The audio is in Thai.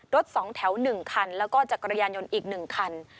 ๒แถว๑คันแล้วก็จักรยานยนต์อีก๑คัน